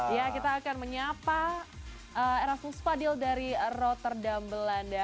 ya kita akan menyapa erasmus fadil dari rotterdam belanda